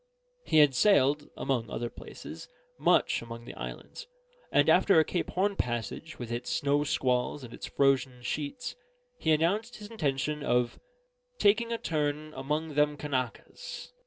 He had sailed (among other places) much among the islands; and after a Cape Horn passage with its snow squalls and its frozen sheets, he announced his intention of "taking a turn among them Kanakas."